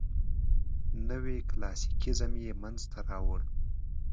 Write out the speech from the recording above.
نوي کلاسیکیزم یې منځ ته راوړ.